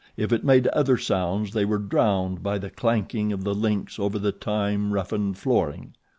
If it made other sounds they were drowned by the clanking of the links over the time roughened flooring.